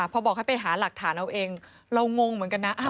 พอบอกให้ไปหาหลักฐานเอาเองเรางงเหมือนกันนะ